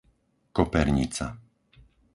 Kopernica